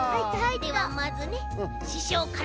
ではまずねししょうから！